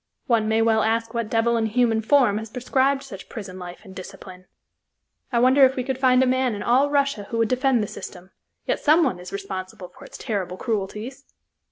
One may well ask what devil in human form has prescribed such prison life and discipline! I wonder if we could find a man in all Russia who would defend the system, yet someone is responsible for its terrible cruelties!